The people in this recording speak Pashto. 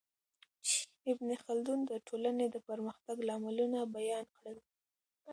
ابن خلدون د ټولنې د پرمختګ لاملونه بیان کړل.